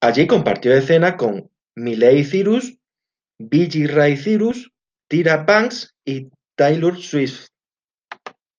Allí compartió escena con Miley Cyrus, Billy Ray Cyrus, Tyra Banks y Taylor Swift.